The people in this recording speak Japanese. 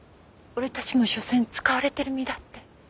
俺たちも所詮使われてる身だって。